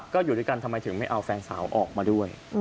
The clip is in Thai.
ก็อยู่ด้วยกันทำไมถึงไม่เอาแฟนสาวออกมาด้วย